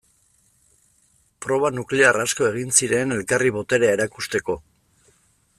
Proba nuklear asko egin ziren elkarri boterea erakusteko.